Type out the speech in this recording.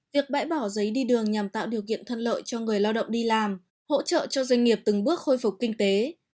việc bãi bỏ giấy đi đường nhằm tạo điều kiện thuận lợi cho người lao động đi làm hỗ trợ cho doanh nghiệp từng bước khôi phục kinh tế